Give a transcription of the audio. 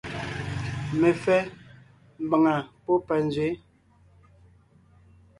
Mefɛ́ (mbàŋa pɔ́ panzwě ).